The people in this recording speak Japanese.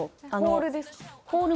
ホールですか？